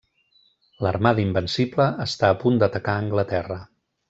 L'Armada Invencible està a punt d'atacar Anglaterra.